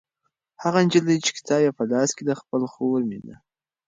هغه نجلۍ چې کتاب یې په لاس کې دی خپله خور مې ده.